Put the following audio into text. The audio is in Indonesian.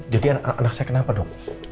jadi anak saya kenapa dong